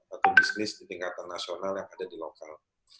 atau bisnis di tingkatan nasional yang ada di lokal